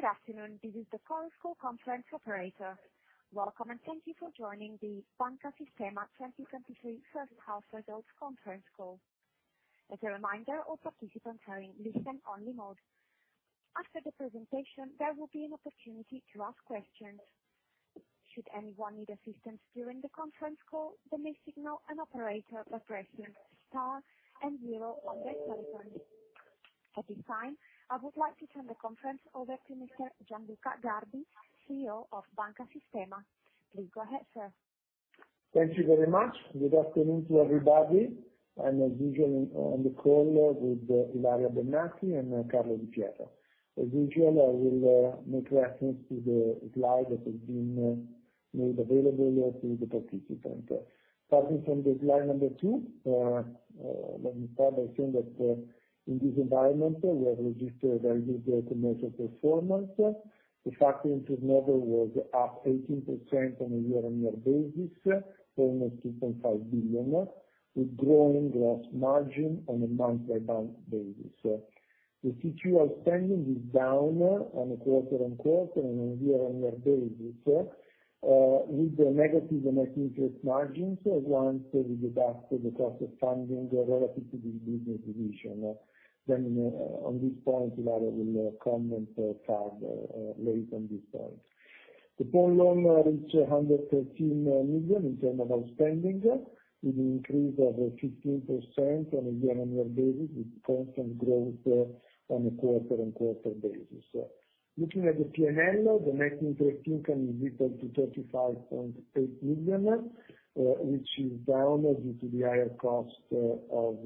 Good afternoon. This is the Chorus Call Conference Operator. Welcome, and thank you for joining the Banca Sistema 2023 First Half Results Conference Call. As a reminder, all participants are in listen-only mode. After the presentation, there will be an opportunity to ask questions. Should anyone need assistance during the conference call, they may signal an operator by pressing star and zero on their telephone. At this time, I would like to turn the conference over to Mr. Gianluca Garbi, CEO of Banca Sistema. Please go ahead, sir. Thank you very much. Good afternoon to everybody. I'm as usual on the call with Ilaria Bennati and Carlo Di Pierro. As usual, I will make reference to the slide that has been made available to the participants. Starting from the slide number 2, let me start by saying that in this environment, we have registered a very good commercial performance. The factoring turnover was up 18% on a year-on-year basis, almost 2.5 billion, with growing gross margin on a month-by-month basis. The CQ spending is down on a quarter-on-quarter and on a year-on-year basis, with negative net interest margins once we deduct the cost of funding relative to the business division. Then on this point, Ilaria will comment further later on this point. The pawn loan reached 113 million in terms of outstanding, with an increase of 15% on a year-on-year basis, with constant growth on a quarter-on-quarter basis. Looking at the P&L, the net interest income is equal to 35.8 million, which is down due to the higher cost of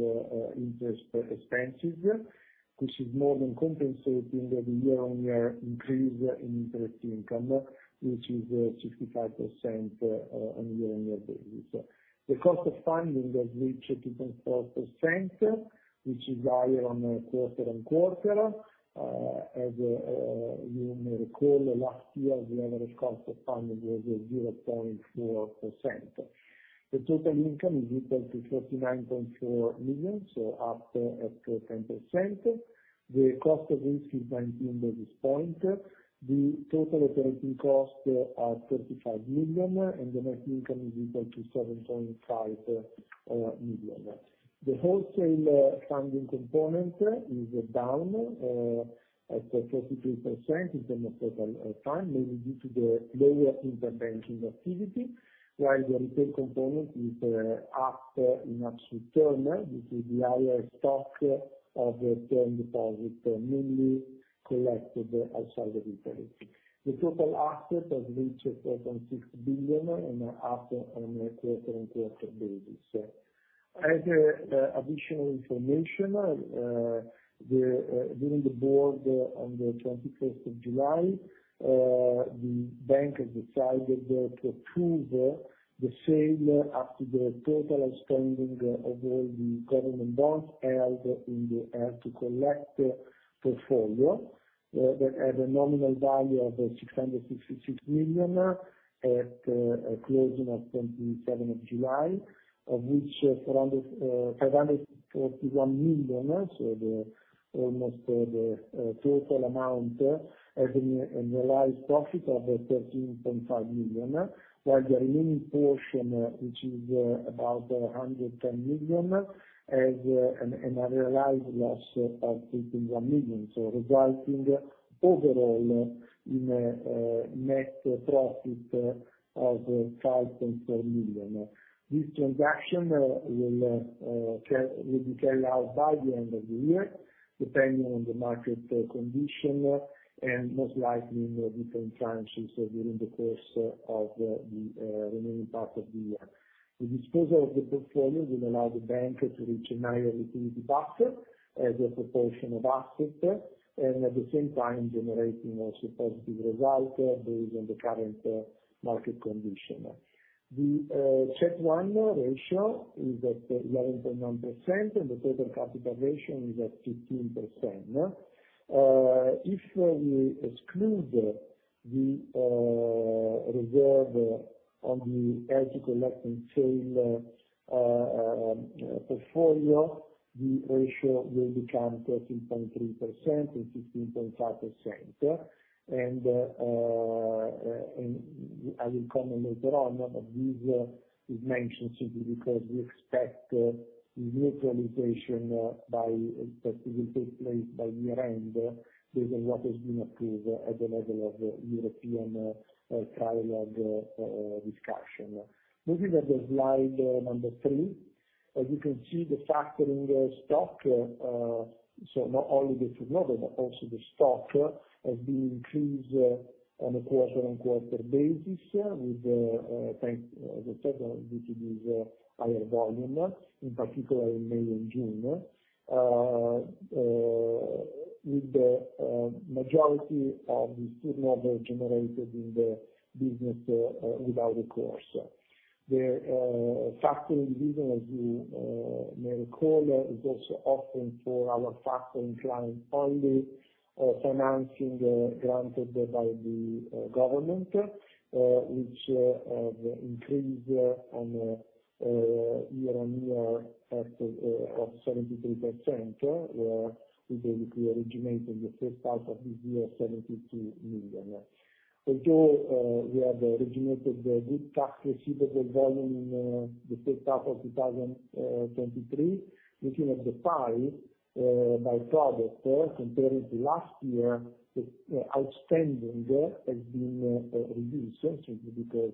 interest expenses, which is more than compensating the year-on-year increase in interest income, which is 55% on a year-on-year basis. The cost of funding has reached 2.4%, which is higher on a quarter-on-quarter. As you may recall, last year, the average cost of funding was 0.4%. The total income is equal to 49.4 million, so up at 10%. The cost of risk is 19 at this point. The total operating costs are 35 million, and the net income is equal to 7.5 million. The wholesale funding component is down at 43% in terms of total fund, mainly due to the lower interbanking activity, while the retail component is up in absolute terms due to the higher stock of term deposits mainly collected outside of Italy. The total assets have reached 4.6 billion and are up on a quarter-on-quarter basis. As additional information, during the board on the 21st of July, the bank has decided to approve the sale up to the total outstanding of all the government bonds held in the HTC Portfolio that had a nominal value of 666 million at closing on the 27th of July, of which 541 million, so almost the total amount, has a realized profit of 13.5 million, while the remaining portion, which is about 110 million, has a realized loss of 3.1 million, So resulting overall in a net profit of EUR 5.4 million. This transaction will be carried out by the end of the year, depending on the market condition and most likely in different tranches during the course of the remaining part of the year. The disposal of the portfolio will allow the bank to reach a higher liquidity buffer as a proportion of assets and at the same time generating also positive results based on the current market condition. The CET1 ratio is at 11.9%, and the total capital ratio is at 15%. If we exclude the reserve on the HTC Portfolio and sale portfolio, the ratio will become 13.3% and 15.5%. I will comment later on that this is mentioned simply because we expect the neutralization that will take place by year-end based on what has been approved at the level of European trilogue of discussion. Moving on to slide number 3, as you can see, the factoring stock, so not only the turnover but also the stock, has been increased on a quarter-on-quarter basis due to this higher volume, in particular in May and June, with the majority of the turnover generated in the business without recourse. The factoring division, as you may recall, is also offering for our factoring client only financing granted by the government, which has increased on a year-on-year effort of 73%, where we basically originated the first half of this year at 72 million. Although we have originated good tax receivable volume in the first half of 2023, looking at the pie by product comparing to last year, the outstanding has been reduced simply because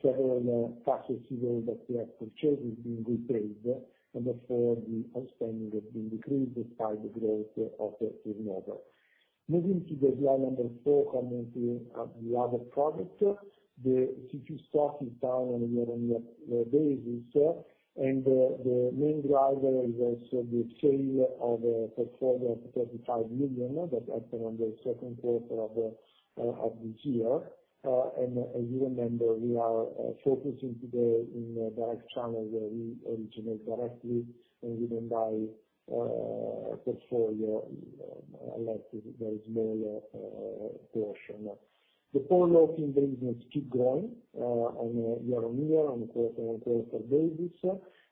several tax receivables that we have purchased have been repaid, and therefore, the outstanding has been decreased despite the growth of the turnover. Moving to the slide number 4, commenting on the other product, the CQ stock is down on a year-on-year basis, and the main driver is also the sale of a portfolio of 35 million that happened on the second quarter of this year. As you remember, we are focusing today in direct channels where we originate directly, and we don't buy portfolio unless there is a smaller portion. The pawn loan business keeps growing on a year-on-year, on a quarter-on-quarter basis,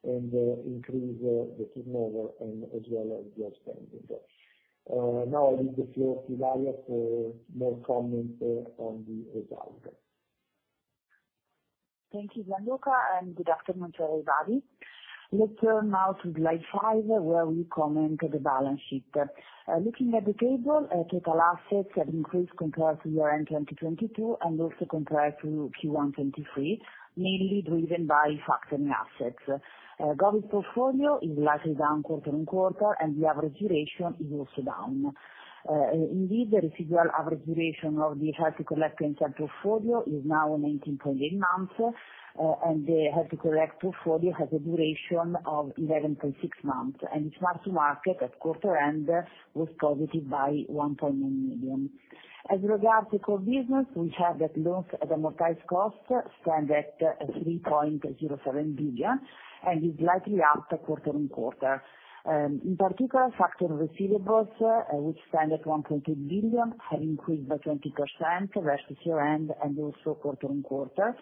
and increase the turnover as well as the outstanding. Now I leave the floor to Ilaria for more comments on the result. Thank you, Gianluca, and good afternoon to everybody. Let's turn now to slide five, where we comment on the balance sheet. Looking at the table, total assets have increased compared to year-end 2022 and also compared to Q1 2023, mainly driven by factoring assets. Govies portfolio is likely down quarter-on-quarter, and the average duration is also down. Indeed, the residual average duration of the HTC Portfolio in-house portfolio is now 19.8 months, and the HTC Portfolio portfolio has a duration of 11.6 months, and its mark-to-market at quarter-end was positive by 1.9 million. As regards to core business, we have that loans at amortized cost stand at 3.07 billion and is likely up quarter-on-quarter. In particular, factoring receivables, which stand at 1.8 billion, have increased by 20% versus year-end and also quarter-on-quarter.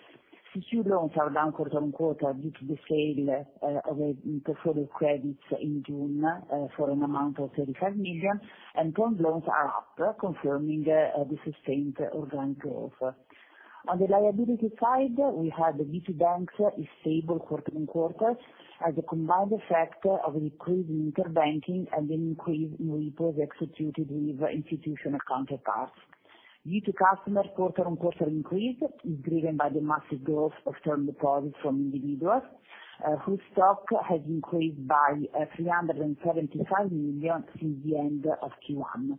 CQ loans are down quarter-on-quarter due to the sale of portfolio credits in June for an amount of 35 million, and pawn loans are up, confirming the sustained organic growth. On the liability side, we have the B2B is stable quarter-on-quarter as a combined effect of an increase in interbank and an increase in repos executed with institutional counterparts. B2C customer quarter-on-quarter increase is driven by the massive growth of term deposits from individuals, whose stock has increased by 375 million since the end of Q1.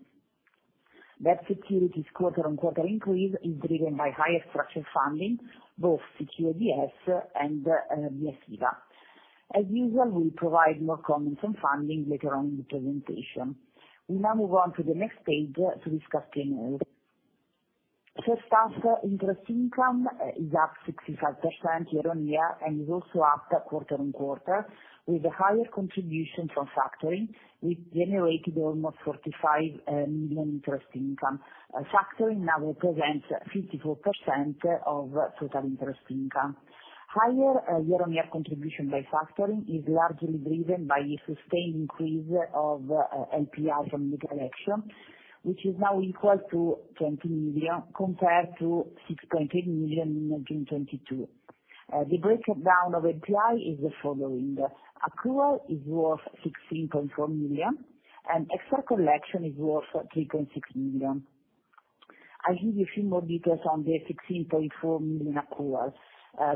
Debt securities quarter-on-quarter increase is driven by higher structured funding, both Schuldschein and ABS. As usual, we'll provide more comments on funding later on in the presentation. We now move on to the next page to discuss P&L. First off, interest income is up 65% year-on-year and is also up quarter-on-quarter with a higher contribution from factoring, which generated almost 45 million interest income. Factoring now represents 54% of total interest income. Higher year-on-year contribution by factoring is largely driven by a sustained increase of LPI from the collection, which is now equal to 20 million compared to 6.8 million in June 2022. The breakdown of LPI is the following: accrual is worth 16.4 million, and extra collection is worth 3.6 million. I'll give you a few more details on the 16.4 million accrual.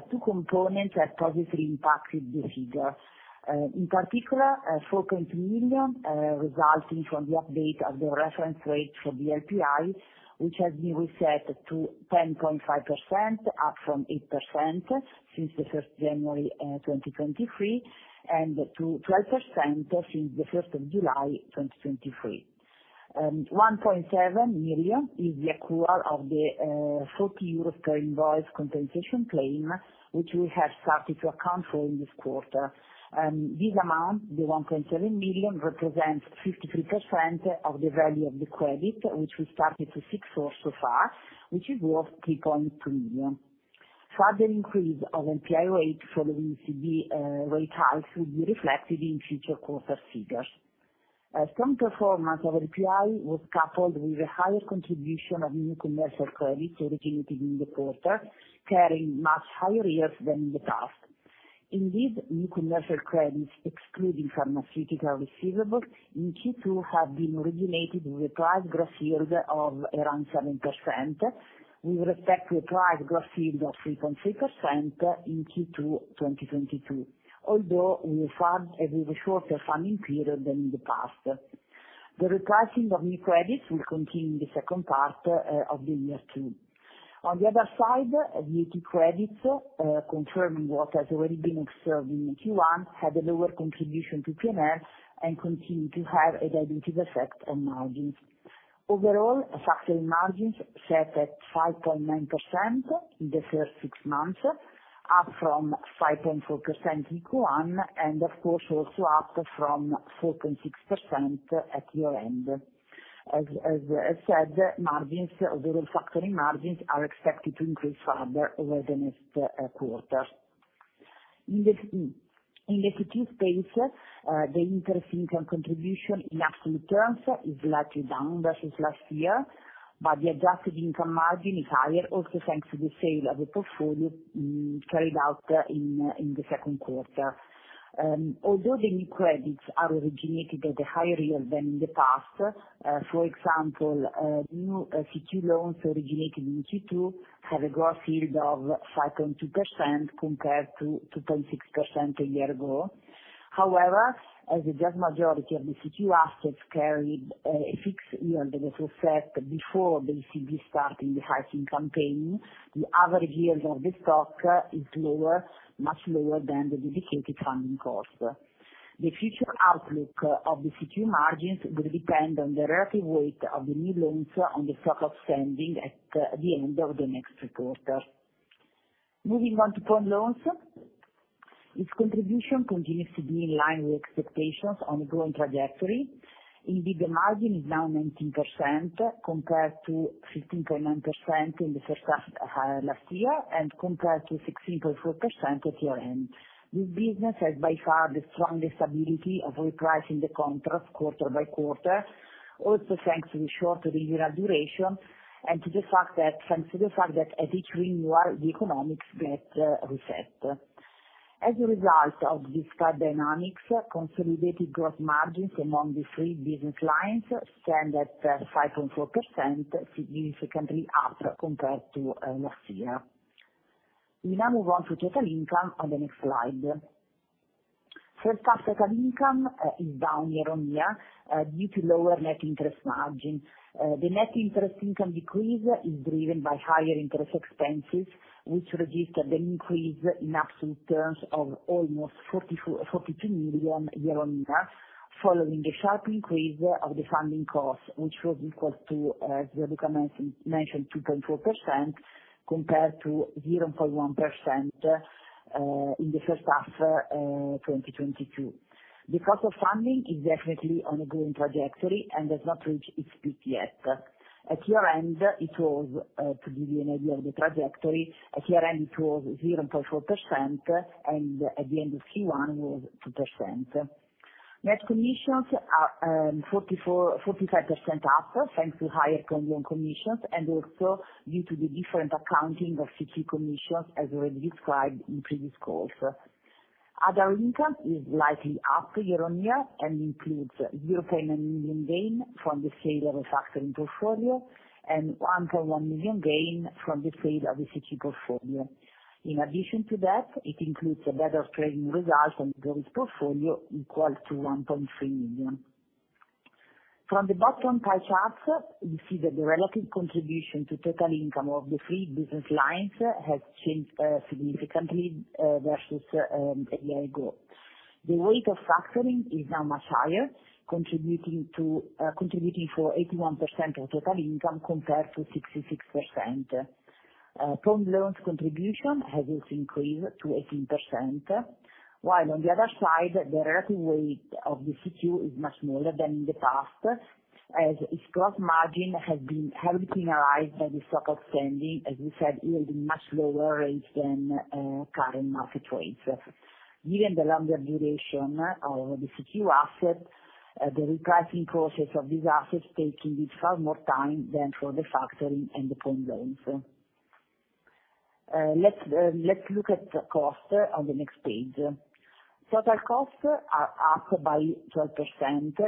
Two components have positively impacted the figure. In particular, 4.2 million resulting from the update of the reference rate for the LPI, which has been reset to 10.5%, up from 8% since the 1st January 2023, and to 12% since the 1st of July 2023. 1.7 million is the accrual of the 40 euros per invoice compensation claim, which we have started to account for in this quarter. This amount, the 1.7 million, represents 53% of the value of the credit, which we started to seek for so far, which is worth 3.2 million. Further increase of LPI rate following the rate hikes will be reflected in future quarter figures. Strong performance of LPI was coupled with a higher contribution of new commercial credits originated in the quarter, carrying much higher yields than in the past. Indeed, new commercial credits excluding pharmaceutical receivables in Q2 have been originated with a price gross yield of around 7%, with respect to a price gross yield of 3.3% in Q2 2022, although with a shorter funding period than in the past. The repricing of new credits will continue in the second part of the year two. On the other side, VAT credits, confirming what has already been observed in Q1, had a lower contribution to P&L and continue to have a negative effect on margins. Overall, factoring margins set at 5.9% in the first six months, up from 5.4% in Q1 and, of course, also up from 4.6% at year-end. As said, margins, overall factoring margins, are expected to increase further over the next quarter. In the CQ space, the interest income contribution in absolute terms is likely down versus last year, but the adjusted income margin is higher, also thanks to the sale of the portfolio carried out in the second quarter. Although the new credits are originated at a higher yield than in the past, for example, new CQ loans originated in Q2 have a gross yield of 5.2% compared to 2.6% a year ago. However, as a vast majority of the CQ assets carried a fixed yield that was set before basically starting the hiking campaign, the average yield of the stock is lower, much lower than the dedicated funding cost. The future outlook of the CQ margins will depend on the relative weight of the new loans on the stock outstanding at the end of the next quarter. Moving on to pawn loans, its contribution continues to be in line with expectations on a growing trajectory. Indeed, the margin is now 19% compared to 15.9% in the first half last year and compared to 16.4% at year-end. This business has by far the strongest stability of repricing the contract quarter by quarter, also thanks to the short renewal duration and to the fact that at each renewal, the economics get reset. As a result of these five dynamics, consolidated gross margins among the three business lines stand at 5.4%, significantly up compared to last year. We now move on to total income on the next slide. First off, total income is down year-on-year due to lower net interest margin. The net interest income decrease is driven by higher interest expenses, which registered an increase in absolute terms of almost 42 million year-on-year, following a sharp increase of the funding cost, which was equal to, as Gianluca mentioned, 2.4% compared to 0.1% in the first half 2022. The cost of funding is definitely on a growing trajectory and has not reached its peak yet. At year-end, it was 0.4%, and at the end of Q1, it was 2%. Net commissions are 45% up thanks to higher premium commissions and also due to the different accounting of CQ commissions, as already described in previous course. Other income is likely up year-on-year and includes 0.1 million gain from the sale of a factoring portfolio and 1.1 million gain from the sale of the CQ portfolio. In addition to that, it includes a better trading result and a growth portfolio equal to 1.3 million. From the bottom pie chart, you see that the relative contribution to total income of the three business lines has changed significantly versus a year ago. The weight of factoring is now much higher, contributing for 81% of total income compared to 66%. Pawn loans contribution has also increased to 18%, while on the other side, the relative weight of the CQ is much smaller than in the past, as its gross margin has been heavily penalized by the stock outstanding, as we said, yielding much lower rates than current market rates. Given the longer duration of the CQ asset, the repricing process of these assets taking it far more time than for the factoring and the pawn loans. Let's look at costs on the next page. Total costs are up by 12%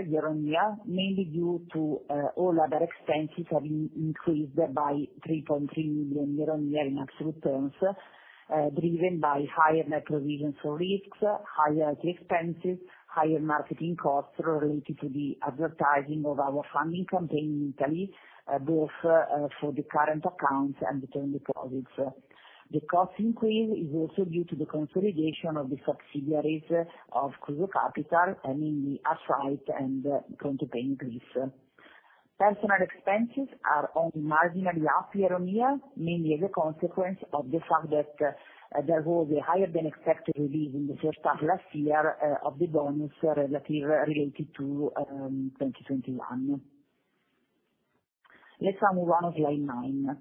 year-on-year, mainly due to all other expenses having increased by 3.3 million year-on-year in absolute terms, driven by higher net provisions for risks, higher IT expenses, higher marketing costs related to the advertising of our funding campaign in Italy, both for the current accounts and the term deposits. The cost increase is also due to the consolidation of the subsidiaries of Kruso Kapital, meaning Art-Rite and ProntoPegno Greece. Personal expenses are only marginally up year-on-year, mainly as a consequence of the fact that there was a higher-than-expected release in the first half last year of the bonus related to 2021. Let's now move on to slide 9 on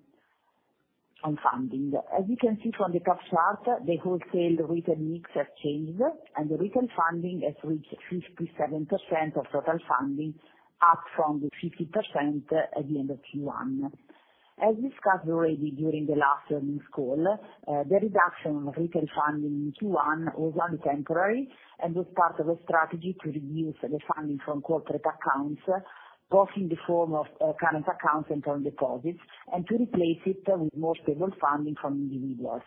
funding. As you can see from the top chart, the wholesale retail mix has changed, and the retail funding has reached 57% of total funding, up from 50% at the end of Q1. As discussed already during the last earnings call, the reduction of retail funding in Q1 was only temporary and was part of a strategy to reduce the funding from corporate accounts, both in the form of current accounts and term deposits, and to replace it with more stable funding from individuals.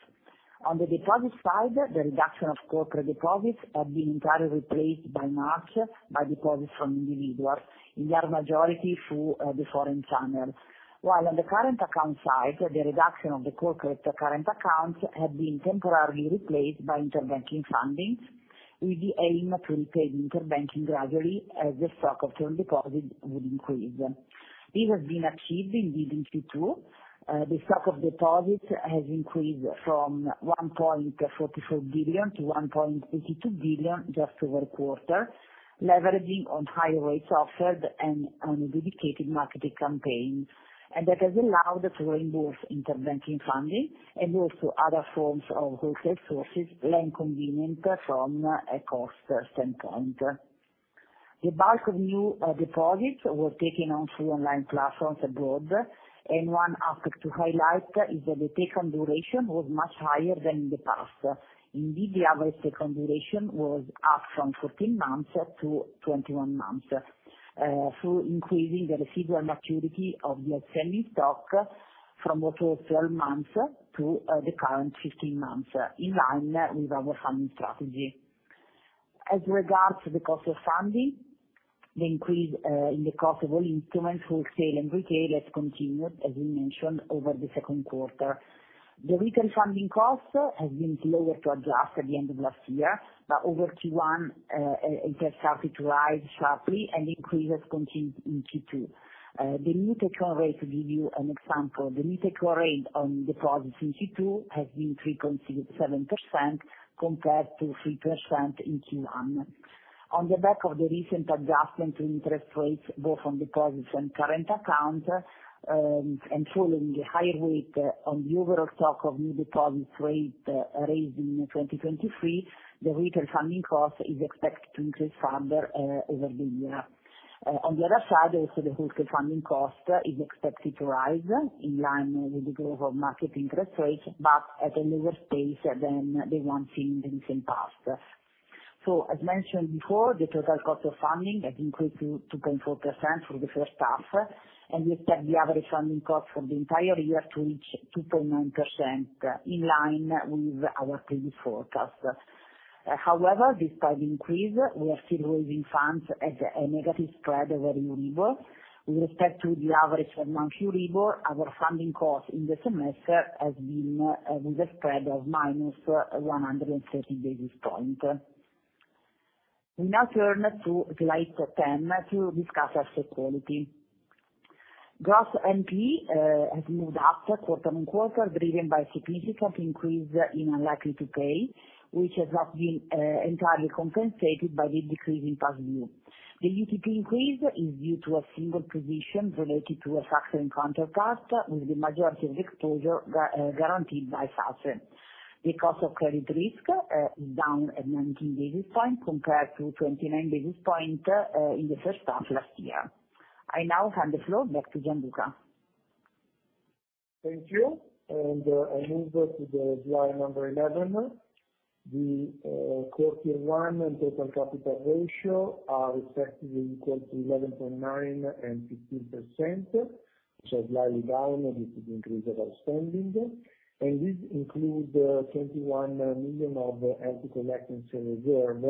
On the deposit side, the reduction of corporate deposits had been entirely replaced by March by deposits from individuals, in their majority through the foreign channel, while on the current account side, the reduction of the corporate current accounts had been temporarily replaced by interbank funding, with the aim to repay the interbank gradually as the stock of term deposits would increase. This has been achieved, indeed, in Q2. The stock of deposits has increased from 1.44 billion to 1.52 billion just over a quarter, leveraging on higher rates offered and on a dedicated marketing campaign, and that has allowed for reimbursed interbank funding and also other forms of wholesale sources less convenient from a cost standpoint. The bulk of new deposits were taken on through online platforms abroad, and one aspect to highlight is that the take-home duration was much higher than in the past. Indeed, the average take-home duration was up from 14 months to 21 months through increasing the residual maturity of the outstanding stock from what was 12 months to the current 15 months, in line with our funding strategy. As regards to the cost of funding, the increase in the cost of all instruments, wholesale and retail, has continued, as we mentioned, over the second quarter. The retail funding cost has been slower to adjust at the end of last year, but over Q1, it has started to rise sharply and increase as continued in Q2. The new take-home rate, to give you an example, the new take-home rate on deposits in Q2 has been 3.7% compared to 3% in Q1. On the back of the recent adjustment to interest rates, both on deposits and current accounts, and following the higher weight on the overall stock of new deposits rate raised in 2023, the retail funding cost is expected to increase further over the year. On the other side, also, the wholesale funding cost is expected to rise in line with the growth of market interest rates, but at a lower pace than they once seen in the recent past. As mentioned before, the total cost of funding has increased to 2.4% for the first half, and we expect the average funding cost for the entire year to reach 2.9%, in line with our previous forecast. However, despite the increase, we are still raising funds at a negative spread over Euribor. With respect to the average per month Euribor, our funding cost in this semester has been with a spread of minus 130 basis points. We now turn to slide 10 to discuss asset quality. Gross NPEs has moved up quarter-on-quarter, driven by a significant increase in unlikely to pay, which has not been entirely compensated by the decrease in past due. The UTP increase is due to a single position related to a factoring counterpart, with the majority of the exposure guaranteed by SACE. The cost of credit risk is down at 19 basis points compared to 29 basis points in the first half last year. I now hand the floor back to Gianluca. Thank you. I move to slide number 11. The CET1 and total capital ratio are respectively equal to 11.9 and 15%, which are slightly down due to the increase of outstanding. These include 21 million of equity allowance and reserve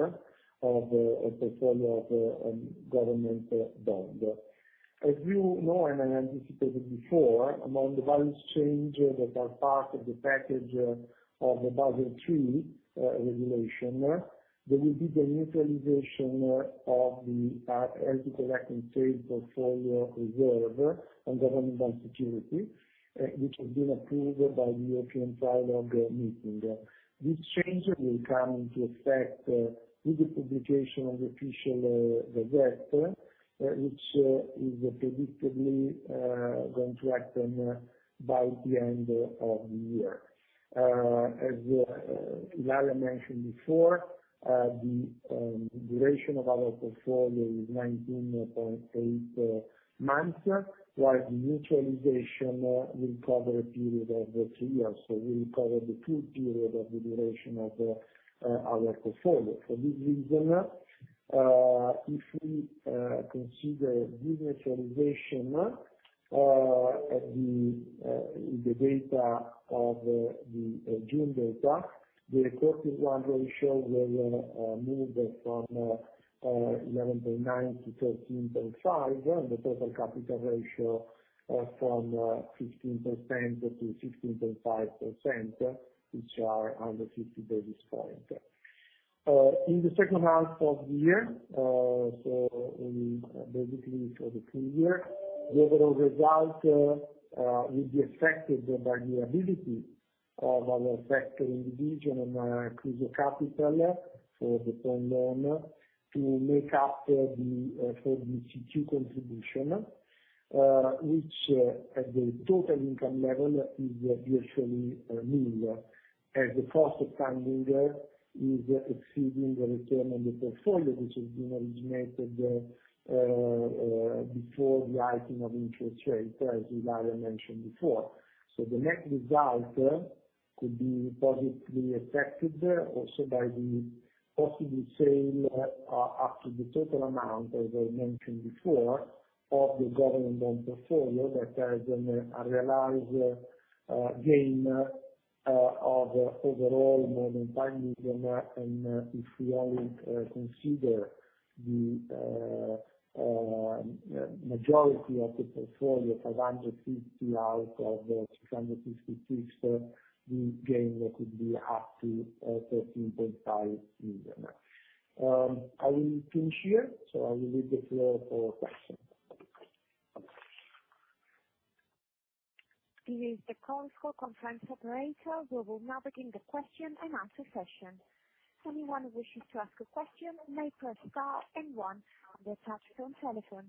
of a portfolio of government bonds. As you know and I anticipated before, among the valuation changes that are part of the package of the Basel III regulation, there will be the neutralization of the equity allowance sale portfolio reserve on government bond security, which has been approved by the European trilogue meeting. This change will come into effect with the publication of the official gazette, which is predictably going to happen by the end of the year. As Ilaria mentioned before, the duration of our portfolio is 19.8 months, while the neutralization will cover a period of three years. So we'll cover the full period of the duration of our portfolio. For this reason, if we consider the neutralization with the data of the June data, the CET1 ratio will move from 11.9 to 13.5, and the total capital ratio from 15% to 15.5%, which are under 50 basis points. In the second half of the year, so basically for the full year, the overall result will be affected by the ability of our sector division and Kruso Kapital for the pawn loan to make up for the CQ contribution, which at the total income level is virtually nil, as the cost of funding is exceeding the return on the portfolio, which has been originated before the hiking of interest rates, as Ilaria mentioned before. The net result could be positively affected also by the possible sale up to the total amount, as I mentioned before, of the government bond portfolio that has a realized gain of overall more than 5 million. If we only consider the majority of the portfolio, 550 out of 256, the gain could be up to 13.5 million. I will finish here, so I will leave the floor for questions. This is the conference operator, Global MeetingPlace, the question and answer session. Anyone who wishes to ask a question may press star and one on your touchtone telephone.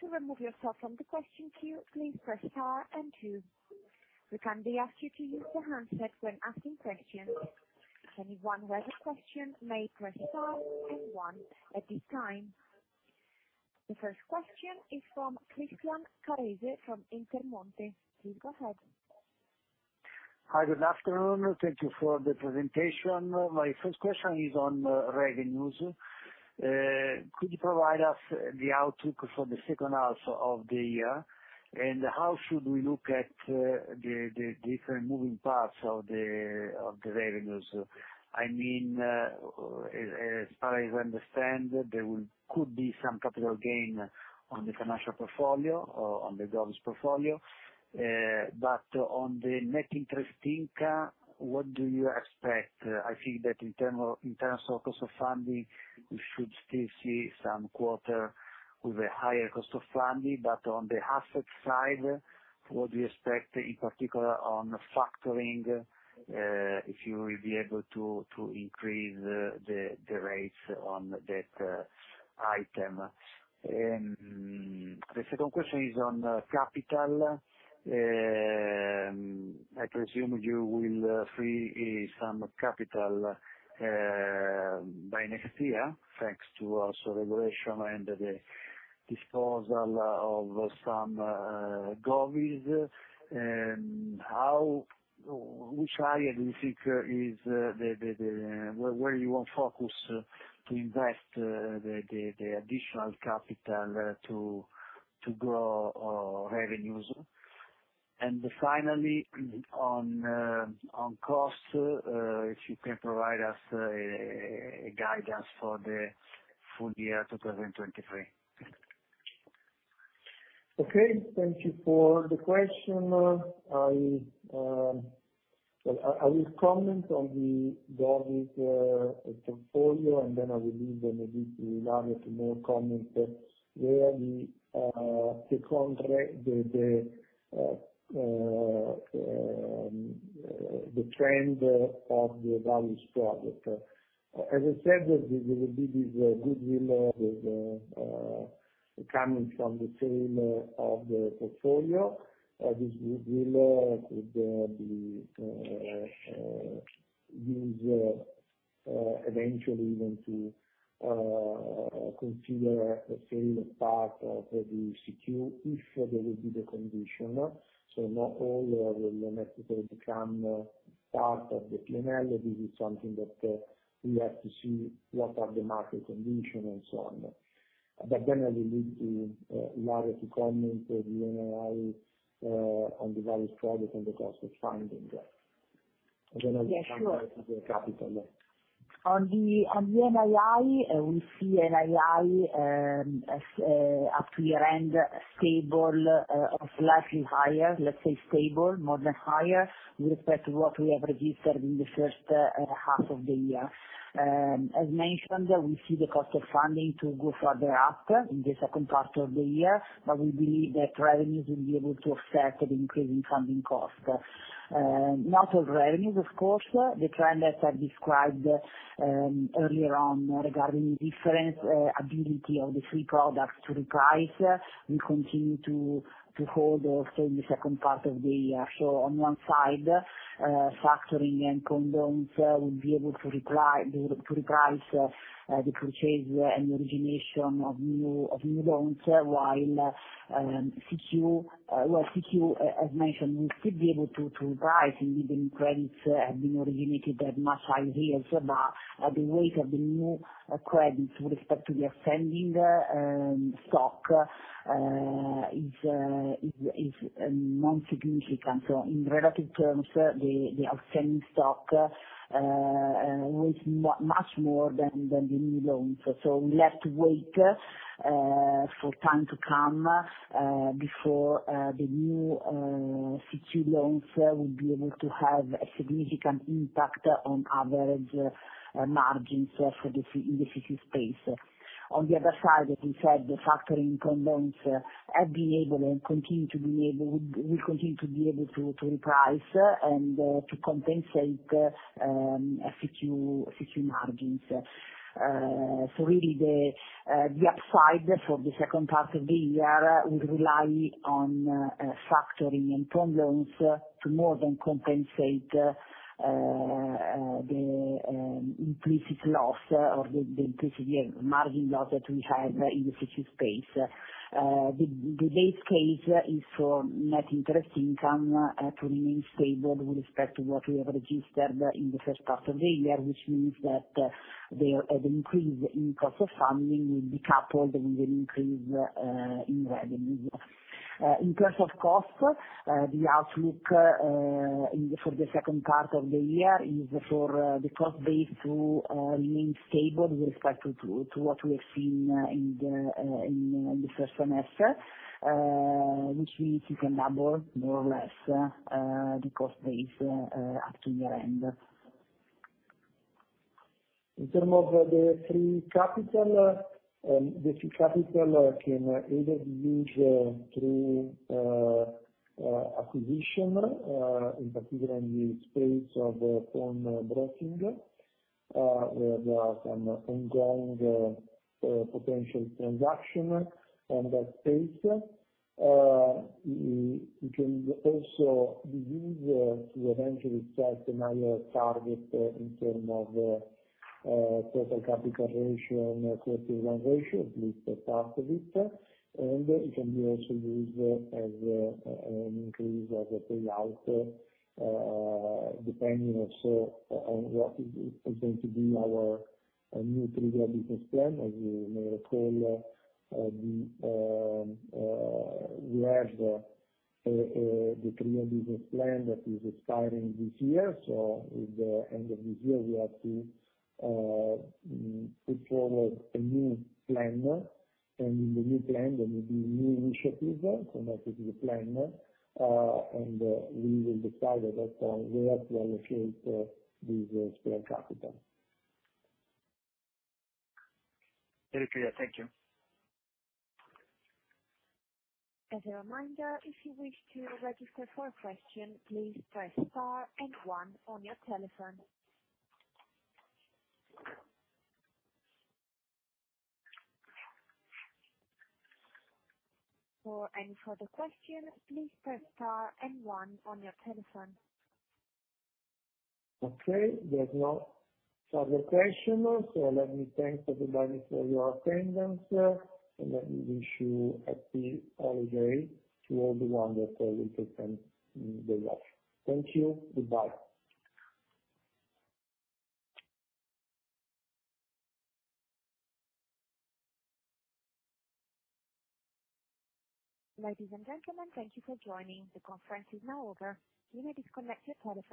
To remove yourself from the question queue, please press star and two. We ask you to use the handset when asking questions. If anyone has a question, may press star and one at this time. The first question is from Christian Carrese from Intermonte. Please go ahead. Hi. Good afternoon. Thank you for the presentation. My first question is on revenues. Could you provide us the outlook for the second half of the year, and how should we look at the different moving parts of the revenues? I mean, as far as I understand, there could be some capital gain on the financial portfolio, on the government portfolio, but on the net interest income, what do you expect? I think that in terms of cost of funding, we should still see some quarter with a higher cost of funding, but on the asset side, what do you expect, in particular on factoring, if you will be able to increase the rates on that item? The second question is on capital. I presume you will free some capital by next year, thanks to also regulation and the disposal of some GOVs. Which area do you think is where you want focus to invest the additional capital to grow revenues? And finally, on cost, if you can provide us guidance for the full year 2023. Okay. Thank you for the question. I will comment on the GOVs portfolio, and then I will leave then maybe to Ilaria for more comments where the trend of the value struggle. As I said, there will be this goodwill. That is coming from the sale of the portfolio. This goodwill could be used eventually even to consider the sale as part of the CQ if there would be the condition. So not all will necessarily become part of the P&L. This is something that we have to see what are the market conditions and so on. But then I will leave to Ilaria to comment on the NII on the value struggle and the cost of funding. And then I will comment on the capital. On the NII, we see NII at the end stable or slightly higher. Let's say stable, more than higher, with respect to what we have registered in the first half of the year. As mentioned, we see the cost of funding to go further up in the second part of the year, but we believe that revenues will be able to offset the increasing funding cost. Not all revenues, of course. The trend that I described earlier on regarding the different ability of the three products to reprice, we continue to hold also in the second part of the year. So on one side, factoring and leasing would be able to reprice the purchase and the origination of new loans, while CQ, well, CQ, as mentioned, will still be able to reprice even if credits have been originated at much higher yields, but the weight of the new credits with respect to the outstanding stock is non-significant. So in relative terms, the outstanding stock weighs much more than the new loans. So we'll have to wait for time to come before the new CQ loans would be able to have a significant impact on average margins in the CQ space. On the other side, as we said, the factoring and leasing have been able and will continue to be able to reprice and to compensate CQ margins. So really, the upside for the second part of the year will rely on factoring and leasing to more than compensate the implicit loss or the implicit margin loss that we have in the CQ space. The base case is for net interest income to remain stable with respect to what we have registered in the first part of the year, which means that the increase in cost of funding will be coupled with an increase in revenues. In terms of cost, the outlook for the second part of the year is for the cost base to remain stable with respect to what we have seen in the first semester, which means it can double more or less the cost base up to year-end. In terms of the free capital, the free capital can either be used through acquisition, in particular in the space of pawn broking, where there are some ongoing potential transactions on that space. It can also be used to eventually set a higher target in terms of total capital ratio, CET1 ratio, at least a part of it, and it can be also used as an increase of the payout depending also on what is going to be our new three-year business plan. As you may recall, we have the three-year business plan that is expiring this year. So at the end of this year, we have to put forward a new plan, and in the new plan, there will be new initiatives connected to the plan, and we will decide at that point where to allocate this spare capital. Very clear. Thank you. As a reminder, if you wish to register for a question, please press star and one on your telephone. For any further questions, please press star and one on your telephone. Okay. There's no further questions. So let me thank the banks for your attendance, and let me wish you a happy holiday to all the ones that will take time in the day off. Thank you. Goodbye. Ladies and gentlemen, thank you for joining. The conference is now over. You may disconnect your telephone.